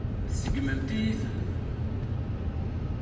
Tseggmemt-iyi-ten.